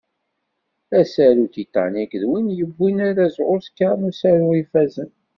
Asaru Titanic d win yewwin arraz Oscar n usaru ifazen.